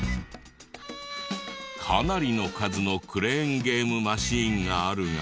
かなりの数のクレーンゲームマシンがあるが。